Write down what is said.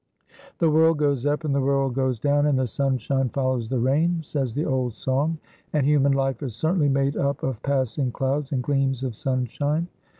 "The world goes up and the world goes down and the sunshine follows the rain," says the old song, and human life is certainly made up of passing clouds and gleams of sunshine.